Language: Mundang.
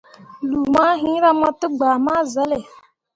Lu mah hiŋra mo tegbah ma zele.